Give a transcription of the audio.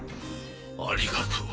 ありがとう。